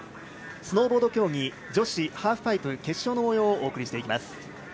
スノーボード競技女子ハーフパイプ決勝のもようをお送りしていきます。